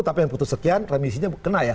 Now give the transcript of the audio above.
tapi yang putus sekian remisinya kena ya